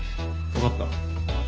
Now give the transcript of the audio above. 分かった。